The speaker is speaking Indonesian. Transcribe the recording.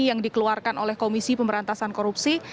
yang dikeluarkan oleh komisi pemberantasan korupsi